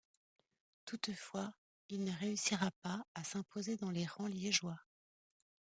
Toutefois, il ne réussira pas à s'imposer dans les rangs liégeois.